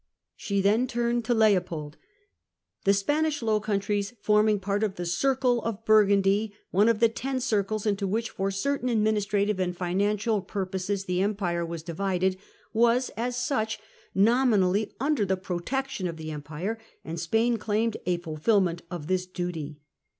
She then turned to Leopold. The Spanish Low Countries, forming part of the 'circle' of Burgundy, one of the ten 'circles' into Applies to which, for certain administrative and financial Leopold. purposes the Empire was divided, was, as such, nominally under the protection of the Empire, and Spain claimed a fulfilment of this duty.